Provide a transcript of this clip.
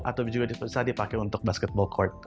atau juga bisa dipakai untuk basketball court